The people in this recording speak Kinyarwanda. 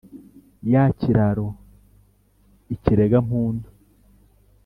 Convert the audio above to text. ya kiraro ikirega-mpundu.